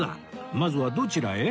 まずはどちらへ？